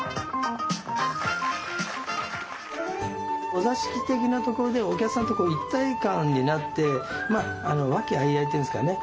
お座敷的なところでお客さんとこう一体感になって和気あいあいっていうんですかね。